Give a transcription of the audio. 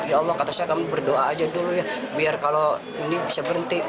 ya allah katanya kamu berdoa aja dulu ya biar kalau ini bisa berhenti